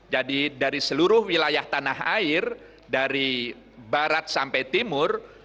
jadi dari seluruh wilayah tanah air dari barat sampai timur